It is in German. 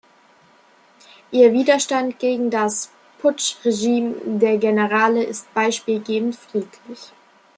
Ihr Widerstand gegen das Putschregime der Generale ist beispielgebend friedlich.